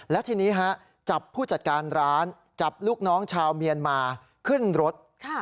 และทีนี้จับผู้จัดการร้านจับลูกน้องชาวเมียนมาขึ้นรถ